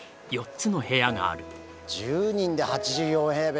１０人で８４平米。